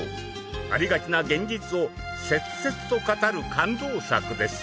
ありがちな現実を切々と語る感動作です。